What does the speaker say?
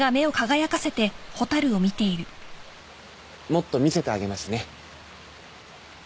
もっと見せてあげますね。